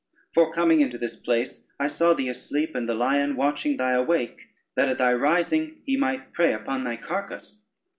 For coming into this place, I saw thee asleep, and the lion watching thy awake, that at thy rising he might prey upon thy carcase.